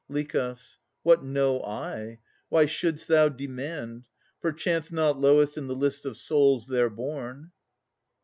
LICH. What know I? Why should'st thou demand? Perchance Not lowest in the list of souls there born.